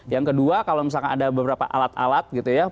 yang kedua kalau misalkan ada beberapa alat alat gitu ya